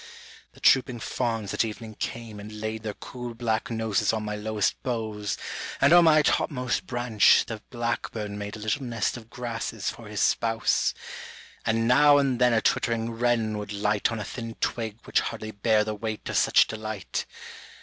The trooping fawns at evening came and laid Their cool black noses on my lowest boughs, And on my topmost branch the blackbird made A little nest of grasses for his spouse, And now and then a twittering wren would light On a thin twig which hardly bare the weight of such delight.